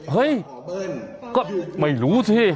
เฮ้ยก็ไม่รู้สิ